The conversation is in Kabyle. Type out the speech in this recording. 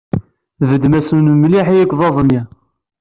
Tbeddem-asen mliḥ i yegḍaḍ-nni.